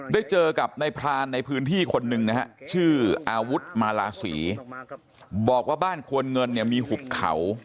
ได้เจอกับนายพรานในพื้นที่คนหนึ่งนะฮะชื่ออาวุธมาลาศรีบอกว่าบ้านควรเงินเนี่ยมีหุบเขา